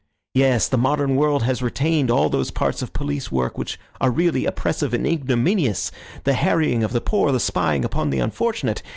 Yes, the modern world has retained all those parts of police work which are really oppressive and ignominious, the harrying of the poor, the spying upon the unfortunate.